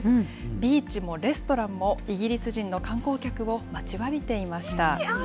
ビーチもレストランも、イギリス人の観光客を待ちわびていました。